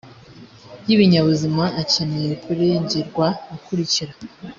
y ibinyabuzima akeneye kurengerwa akurikira